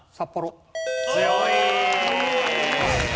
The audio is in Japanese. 強い。